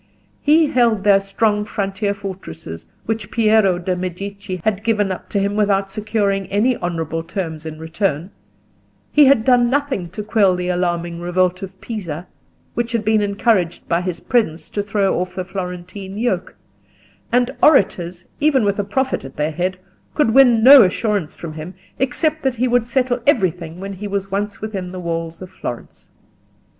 He held their strong frontier fortresses, which Piero de' Medici had given up to him without securing any honourable terms in return; he had done nothing to quell the alarming revolt of Pisa, which had been encouraged by his presence to throw off the Florentine yoke; and "orators," even with a prophet at their head, could win no assurance from him, except that he would settle everything when he was once within the walls of Florence.